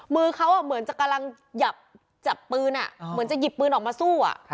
มือเขาเหมือนจะกำลังจับปืนเหมือนจะหยิบปืนออกมาสู้